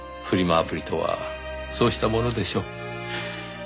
アプリとはそうしたものでしょう。